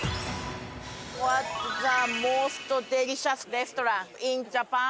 ホワッツザモストデリシャスレストランインジャパン？